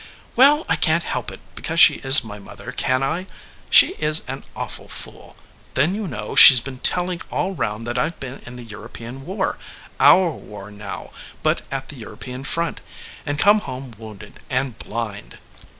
"Well, I can t help it because she is my mother, can I? She is an awful fool. Then, you know, she s been telling all round that I ve been in the European war our war now, but at the European front and come home wounded, and blind."